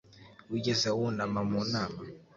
Wigeze wunama mu nama?